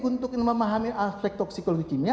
untuk memahami aspek toksikologi kimia